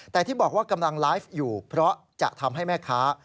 แต่ที่บอกว่ากำลังไลฟ์อยู่เพราะจะทำให้แม่ค้า